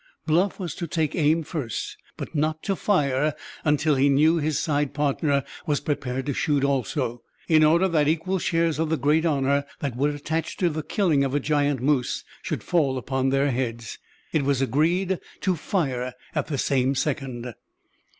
Bluff was to take aim first, but not to fire until he knew his side partner was prepared to shoot also. In order that equal shares of the great honor that would attach to the killing of the giant moose should fall upon their heads, it was agreed to fire at the same second.